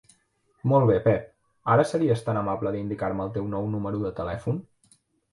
Molt bé, Pep, ara series tan amable d'indicar-me el teu nou número de telèfon?